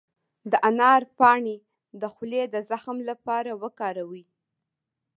د انار پاڼې د خولې د زخم لپاره وکاروئ